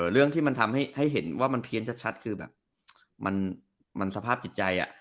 เรื่องที่มันทำให้เห็นว่ามันเพี้ยนชัดคือแบบมันสภาพจิตใจ